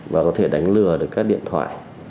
và có thể đánh lừa được các điện thoại